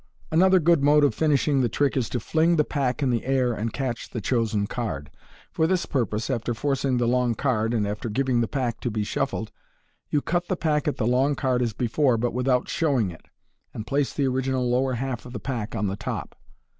Another good mode of finishing the trick is to fling the pack in the air, and catch the chosen card. For this purpose, after forcing the long card, and after giving the pack to be shuffled, you cut the pack at the long card as before, but without showing it, and place the original lower half of the pack on the top.